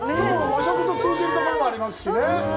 和食と通じるところもありますしね。